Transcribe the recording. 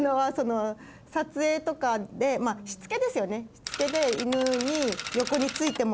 しつけで犬に横についてもらうとか。